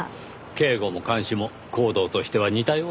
警護も監視も行動としては似たようなものです。